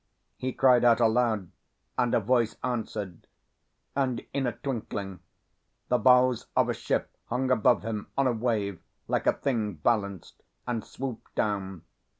He cried out aloud and a voice answered; and in a twinkling the bows of a ship hung above him on a wave like a thing balanced, and swooped down.